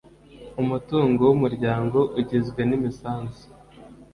Umutungo w umuryango ugizwe n imisanzu